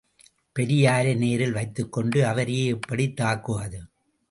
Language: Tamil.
பெரியாரை நேரில் வைத்துக் கொண்டு அவரையே எப்படித் தாக்குவது?